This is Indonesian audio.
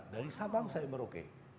dari sabang sampai merauke